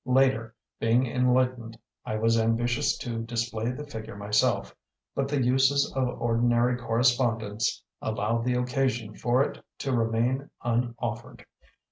Later, being enlightened, I was ambitious to display the figure myself, but the uses of ordinary correspondence allowed the occasion for it to remain unoffered.